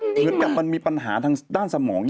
เหมือนกับมันมีปัญหาทางด้านสมองอยู่